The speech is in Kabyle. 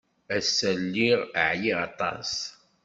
Ass-a, lliɣ ɛyiɣ aṭas.